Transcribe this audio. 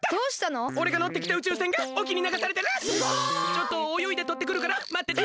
ちょっとおよいでとってくるからまってて！